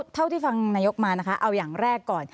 เท่าที่ฟังนายกมานะคะเอาอย่างแรกก่อน